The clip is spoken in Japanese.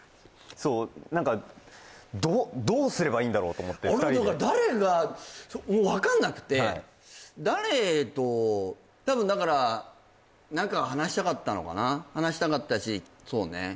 そう何かどうすればいいんだろうと思って２人で誰がもう分かんなくて誰と多分だから何かを話したかったのかな話したかったしそうね